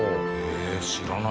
え知らない。